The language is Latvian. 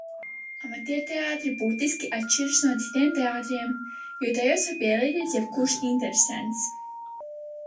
Amatierteātri būtiski atšķiras no citiem teātriem, jo tajos var piedalīties jebkurš interesents.